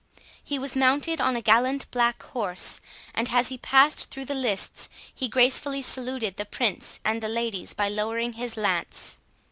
He was mounted on a gallant black horse, and as he passed through the lists he gracefully saluted the Prince and the ladies by lowering his lance.